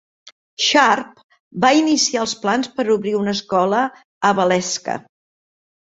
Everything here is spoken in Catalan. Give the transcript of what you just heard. Sharp va iniciar els plans per obrir una escola a Waleska.